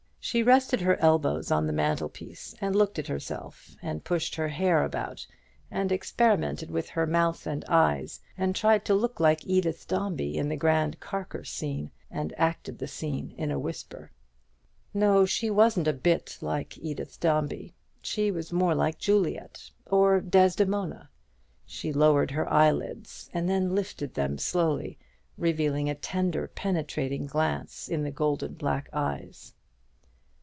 She rested her elbows on the mantel piece, and looked at herself, and pushed her hair about, and experimented with her mouth and eyes, and tried to look like Edith Dombey in the grand Carker scene, and acted the scene in a whisper. No, she wasn't a bit like Edith Dombey; she was more like Juliet, or Desdemona. She lowered her eyelids, and then lifted them slowly, revealing a tender penetrating glance in the golden black eyes.